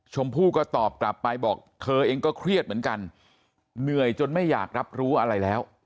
ชมพู่ก็ตอบกลับไปบอกเธอเองก็เครียดเหมือนกันเหนื่อยจนไม่อยากรับรู้อะไรแล้ว